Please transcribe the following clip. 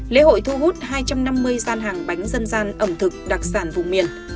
lễ hội thu hút hai trăm năm mươi gian hàng bánh dân gian ẩm thực đặc sản vùng miền